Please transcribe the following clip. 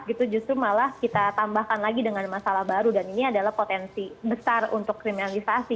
itu justru malah kita tambahkan lagi dengan masalah baru dan ini adalah potensi besar untuk kriminalisasi